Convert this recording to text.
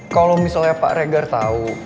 kalau misalnya pak reger tau